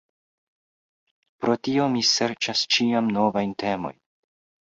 Pro tio mi serĉas ĉiam novajn temojn.